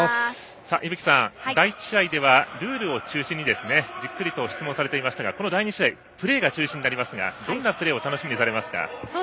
依吹さん、第１試合ではルール中心にじっくりと質問されていましたがこの第２試合はプレーが中心になりますがどんなプレーが楽しみですか？